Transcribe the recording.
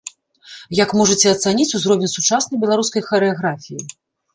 Як можаце ацаніць узровень сучаснай беларускай харэаграфіі?